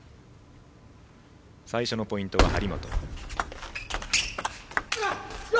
最初のポイントは張本。